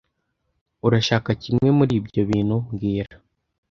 Urashaka kimwe muri ibyo bintu mbwira